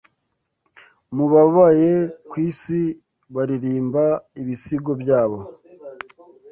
mu babaye ku isi baririmba ibisigo byabo,